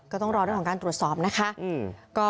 ก็ต้องรอเรื่องของการตรวจสอบนะคะ